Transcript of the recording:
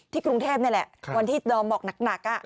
กรุงเทพนี่แหละวันที่ดอมบอกหนัก